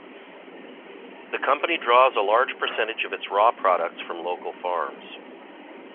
The company draws a large percentage of its raw products from local farms.